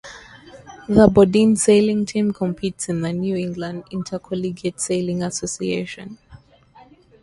The Bowdoin sailing team competes in the New England Intercollegiate Sailing Association.